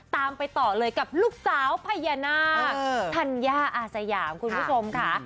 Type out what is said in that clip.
ไปต่อเลยกับลูกสาวพญานาคธัญญาอาสยามคุณผู้ชมค่ะ